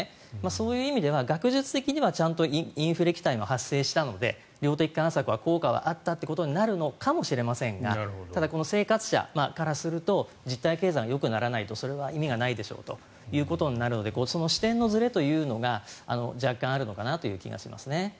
そういう意味では学術的にはちゃんとインフレ期待が発生したので量的緩和策が効果があったということになるのかもしれませんがただ、生活者からすると実体経済がよくならないとそれは意味がないでしょということになるので視点のずれというのが若干あるのかなという気がしますね。